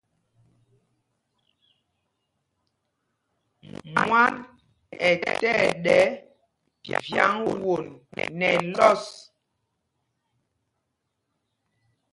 Mwân ɛ tí ɛɗɛ vyǎŋ won nɛ lɔs.